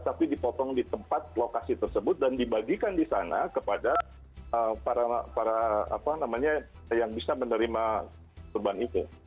tapi dipotong di tempat lokasi tersebut dan dibagikan di sana kepada para apa namanya yang bisa menerima korban itu